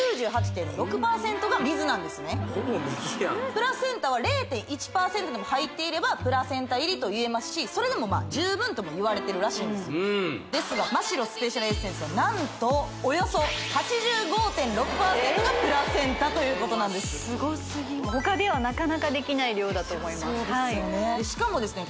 プラセンタは０．１％でも入っていればプラセンタ入りといえますしそれでもまあ十分ともいわれてるらしいんですですがマ・シロスペシャルエッセンスは何とおよそ８５．６％がプラセンタということなんです・すごすぎ他ではなかなかできない量だと思いますしかもですね